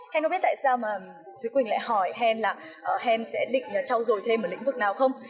hèn không biết tại sao mà thúy quỳnh lại hỏi hèn là hèn sẽ định trau rồi thêm ở lĩnh vực nào không